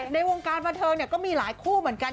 ในวงการประเทิงเนี่ยก็มีหลายคู่เหมือนกัน